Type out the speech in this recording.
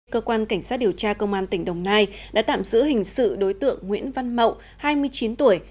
cơ quan cảnh sát điều tra công an tỉnh đồng nai đã tạm giữ hình sự đối tượng nguyễn văn mậu hai mươi chín tuổi